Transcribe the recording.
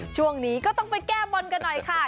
ช่วงนี้ก็ต้องไปแก้บนกันหน่อยค่ะ